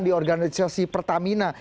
di organisasi pertamina